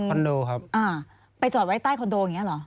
คอนโดครับไปจอดไว้ใต้คอนโดอย่างนี้หรอ